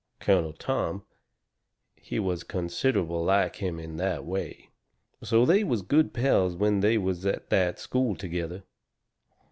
Colonel Tom, he was considerable like him in that way. So they was good pals when they was to that school together.